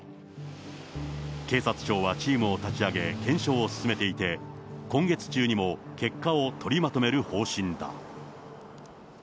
警察庁はチームを立ち上げ、検証を進めていて、今月中にも結果を取りまとめる方針だ。